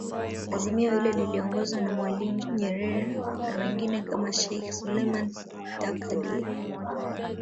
Azimio hilo liliongozwa na Mwalimu Nyerere na wengine kama Sheikh Suleiman Takadir